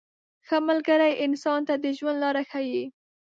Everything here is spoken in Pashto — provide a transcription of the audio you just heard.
• ښه ملګری انسان ته د ژوند لاره ښیي.